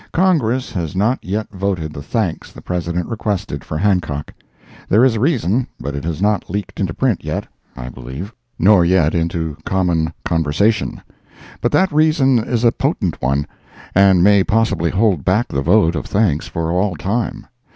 Congress has not yet voted the thanks the President requested for Hancock. There is a reason, but it has not leaked into print yet, I believe; nor yet into common conversation. But that reason is a potent one, and may possibly hold back the vote of thanks for all time.